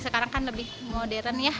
sekarang kan lebih modern ya